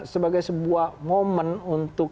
sebagai sebuah momen untuk